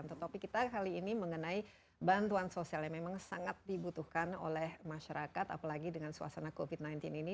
untuk topik kita kali ini mengenai bantuan sosial yang memang sangat dibutuhkan oleh masyarakat apalagi dengan suasana covid sembilan belas ini